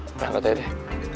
kita angkat aja deh